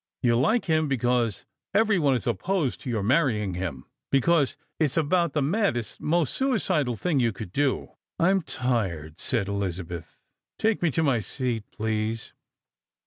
You like him because every one is opposed to your marrying hira — because it's about the maddest, most suicidal thing you could do." "I'm tired," said Elizabeth; "take me to a seat, please."